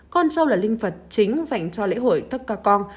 con trâu là linh vật chính dành cho lễ hội tắc cà con